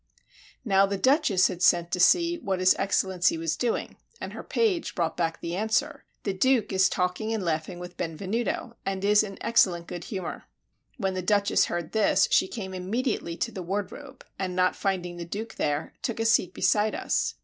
Now the Duchess had sent to see what his Excellency was doing, and her page brought back this answer: "The Duke is talking and laughing with Benvenuto, and is in excellent good humor." When the Duchess heard this, she came immediately to the wardrobe, and not finding the Duke there, took a seat beside us.